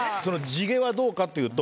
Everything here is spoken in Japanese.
地毛はどうかっていうと。